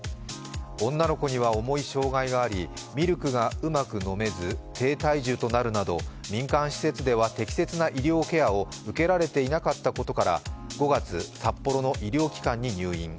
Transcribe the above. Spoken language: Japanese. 女の子には重い障害がありミルクがうまく飲めず低体重となるなど民間施設では適切な医療ケアを受けられていなかったことから５月、札幌の医療機関に入院。